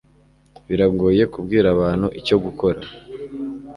biragoye kubwira abantu icyo gukora